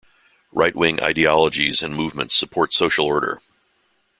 Right-wing ideologies and movements support social order.